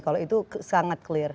kalau itu sangat clear